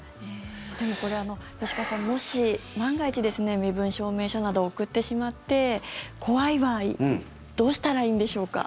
でもこれ吉川さんもし万が一身分証明書などを送ってしまって怖い場合どうしたらいいんでしょうか？